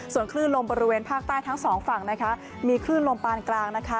ส่วนคลื่นลมบริเวณภาคใต้ทั้งสองฝั่งนะคะมีคลื่นลมปานกลางนะคะ